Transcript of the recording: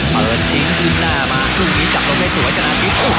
พอโตมาก็เหมือนแบบทันยุคเมซี่พอดีครับ